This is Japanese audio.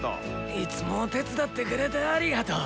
いつも手伝ってくれてありがとう！